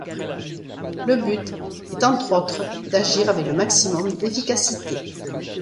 Le but est entre autres d'agir avec le maximum d'efficacité.